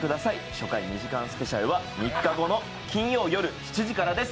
初回２時間スペシャルは３日後の金曜夜７時からです。